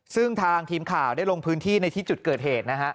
ซึ่งทางทีมข่าวได้ลงพื้นที่ในที่จุดเกิดเหตุนะฮะ